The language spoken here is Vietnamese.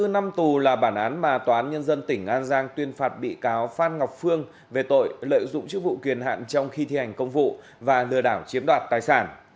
hai mươi năm tù là bản án mà tòa án nhân dân tỉnh an giang tuyên phạt bị cáo phan ngọc phương về tội lợi dụng chức vụ kiền hạn trong khi thi hành công vụ và lừa đảo chiếm đoạt tài sản